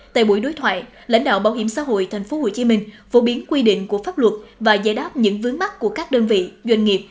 tại buổi đối thoại lãnh đạo bảo hiểm xã hội thành phố hồ chí minh phổ biến quy định của pháp luật và giải đáp những vướng mắt của các đơn vị doanh nghiệp